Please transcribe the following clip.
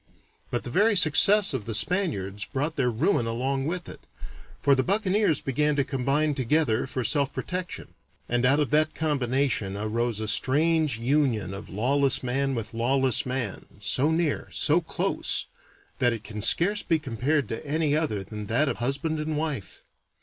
But the very success of the Spaniards brought their ruin along with it, for the buccaneers began to combine together for self protection, and out of that combination arose a strange union of lawless man with lawless man, so near, so close, that it can scarce be compared to any other than that of husband and wife.